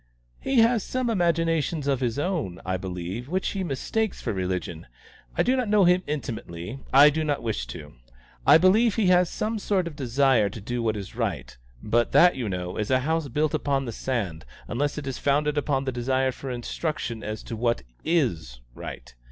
"He has some imaginations of his own, I believe, which he mistakes for religion. I do not know him intimately; I do not wish to. I believe he has some sort of desire to do what is right; but that, you know, is a house built upon the sand, unless it is founded upon the desire for instruction as to what is right.